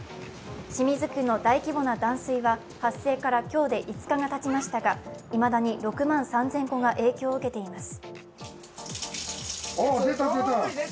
清水区の大規模な断水は発生から今日で５日がたちましたが、いまだに６万３０００戸が影響を受けています。